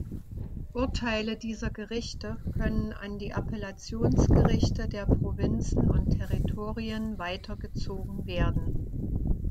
Urteile dieser Gerichte können an die Appellationsgerichte der Provinzen und Territorien weitergezogen werden.